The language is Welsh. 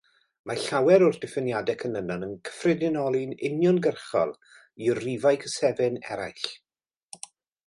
Mae llawer o'r diffiniadau canlynol yn cyffredinoli'n uniongyrchol i rifau cysefin eraill.